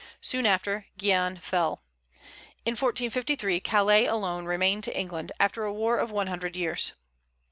Soon after Guienne fell. In 1453 Calais alone remained to England, after a war of one hundred years.